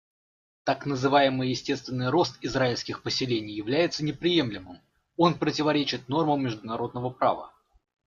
Так называемый естественный рост израильских поселений является неприемлемым; он противоречит нормам международного права.